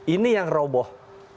ini yang roboh